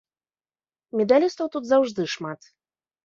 Медалістаў тут заўжды шмат.